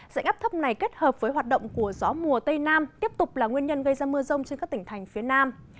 dạnh áp thấp này kết hợp với hoạt động của gió mùa tây nam tiếp tục là nguyên nhân gây ra mưa rông trên các tỉnh thành phía nam